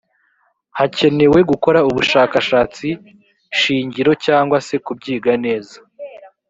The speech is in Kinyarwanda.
hkenewe gukora ubushakashatsi shingiro cyangwa se kubyiga neza